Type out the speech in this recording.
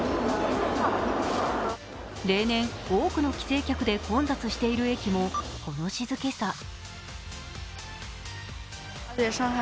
例年、多くの帰省客で混雑している駅もこの静けさ。